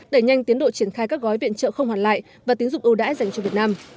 đẩy nhanh tiến độ triển khai các gói viện trợ không hoàn lại và tín dụng ưu đãi dành cho việt nam